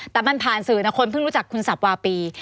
แต่มันผ่านสื่อนะคนเพิ่งรู้จักคุณสับวาปี